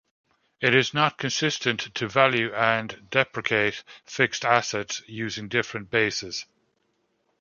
It is not consistent to value and depreciate fixed assets using different bases.